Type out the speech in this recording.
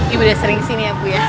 ibu udah sering kesini ya bu ya